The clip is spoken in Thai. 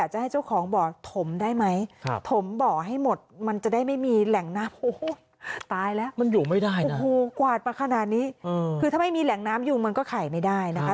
แห่งน้ำยูมันก็ไข่ไม่ได้นะคะ